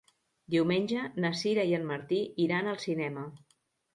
Diumenge na Sira i en Martí iran al cinema.